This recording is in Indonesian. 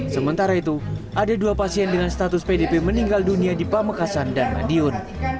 sementara itu ada dua pasien dengan status pdp meninggal dunia di pamekasan dan madiun